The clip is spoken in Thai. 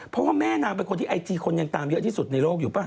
เพราะว่าแม่นางเป็นคนที่ไอจีคนยังตามเยอะที่สุดในโลกอยู่ป่ะ